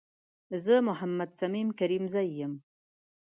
زه محمد صميم کريمزی یم